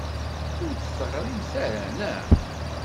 Ur d-teɣrimt ara, naɣ?